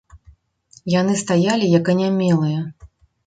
Яны стаялі як анямелыя.